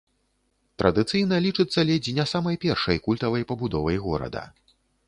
Традыцыйна лічыцца ледзь не самай першай культавай пабудовай горада.